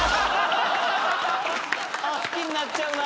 好きになっちゃうな。